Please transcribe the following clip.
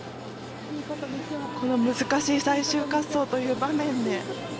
この難しい最終滑走という場面で。